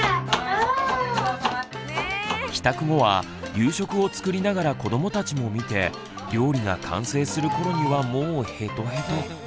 帰宅後は夕食を作りながら子どもたちも見て料理が完成する頃にはもうヘトヘト。